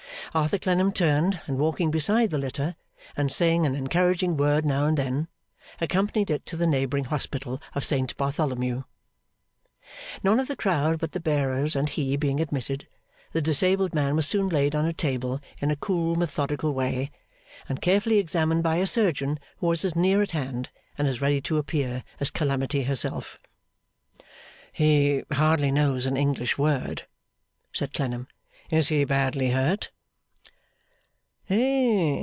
Arthur Clennam turned; and walking beside the litter, and saying an encouraging word now and then, accompanied it to the neighbouring hospital of Saint Bartholomew. None of the crowd but the bearers and he being admitted, the disabled man was soon laid on a table in a cool, methodical way, and carefully examined by a surgeon who was as near at hand, and as ready to appear as Calamity herself. 'He hardly knows an English word,' said Clennam; 'is he badly hurt?